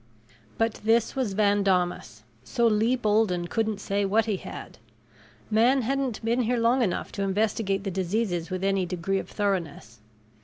But this was Van Daamas, so Lee Bolden couldn't say what he had. Man hadn't been here long enough to investigate the diseases with any degree of thoroughness.